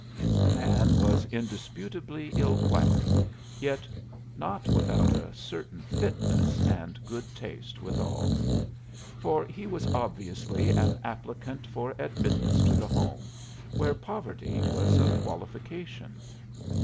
The man was indisputably ill clad, yet not without a certain fitness and good taste, withal; for he was obviously an applicant for admittance to the Home, where poverty was a qualification.